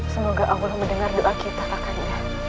semoga allah mendengar doa kita kak randa